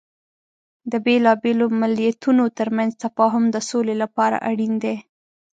د بیلابیلو مليتونو ترمنځ تفاهم د سولې لپاره اړین دی.